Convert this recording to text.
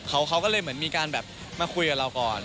เขาก็เลยเหมือนมีการแบบมาคุยกับเราก่อน